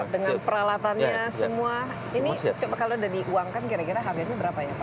dengan peralatannya semua ini coba kalau sudah diuangkan kira kira harganya berapa ya pak